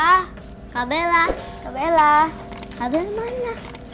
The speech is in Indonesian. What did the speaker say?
kak bella mana